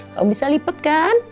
kamu bisa lipet kan